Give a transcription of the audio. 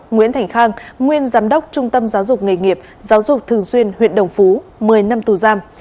nguyễn thành khang nguyên giám đốc trung tâm giáo dục nghề nghiệp giáo dục thường xuyên huyện đồng phú một mươi năm tù giam